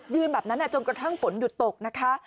แบบนั้นจนกระทั่งฝนหยุดตกนะคะ